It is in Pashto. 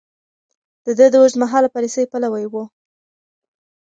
ده د اوږدمهاله پاليسۍ پلوی و.